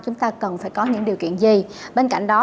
chúng ta có nhu cầu như thế nào